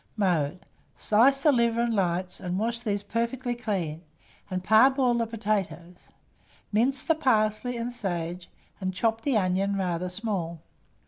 Mode. Slice the liver and lights, and wash these perfectly clean, and parboil the potatoes; mince the parsley and sage, and chop the onion rather small.